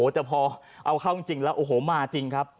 แต่พอเอาเข้าจริงแล้วโอ้โหมาจริงครับ